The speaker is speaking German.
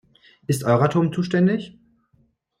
Ist Euratom zuständig?